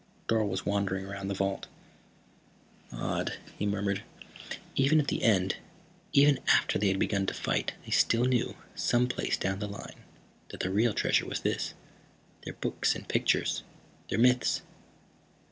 Dorle was wandering around the vault. "Odd," he murmured. "Even at the end, even after they had begun to fight they still knew, someplace down inside them, that their real treasure was this, their books and pictures, their myths.